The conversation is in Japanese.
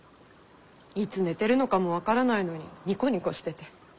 いつ寝てるのかも分からないのにニコニコしてて。